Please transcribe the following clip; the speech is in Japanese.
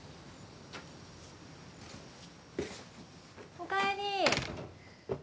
おかえり。